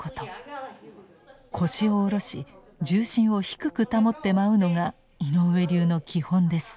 腰を下ろし重心を低く保って舞うのが井上流の基本です。